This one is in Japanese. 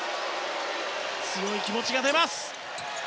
強い気持ちが出ます。